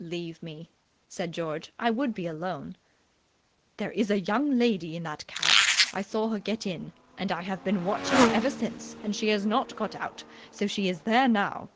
"Leave me," said George, "I would be alone." "There is a young lady in that cab. I saw her get in, and I have been watching ever since, and she has not got out, so she is there now."